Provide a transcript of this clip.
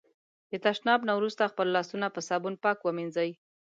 د تشناب نه وروسته خپل لاسونه په صابون پاک ومېنځی.